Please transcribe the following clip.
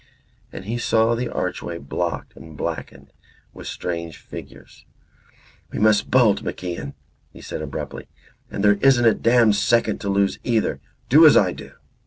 And he saw the archway blocked and blackened with strange figures. "We must bolt, MacIan," he said abruptly. "And there isn't a damned second to lose either. Do as I do."